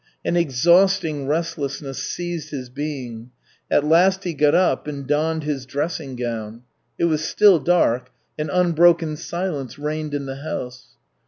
An exhausting restlessness seized his being. At last he got up and donned his dressing gown. It was still dark, and unbroken silence reigned in the house.